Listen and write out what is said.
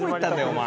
お前」